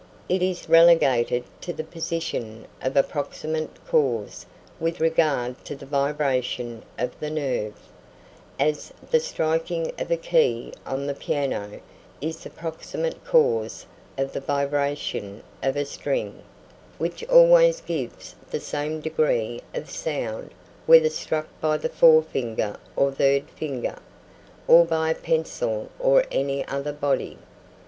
It is relegated to the position of a proximate cause with regard to the vibration of the nerve, as the striking of a key on the piano is the proximate cause of the vibration of a string, which always gives the same degree of sound whether struck by the forefinger or third finger, or by a pencil or any other body.